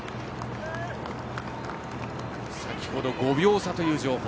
先ほど５秒差という情報。